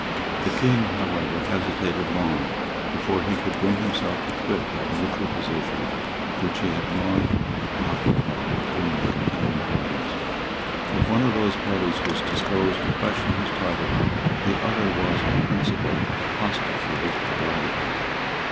The King, however, hesitated long before he could bring himself to quit that neutral position which he had long occupied between the contending parties. If one of those parties was disposed to question his title, the other was on principle hostile to his prerogative.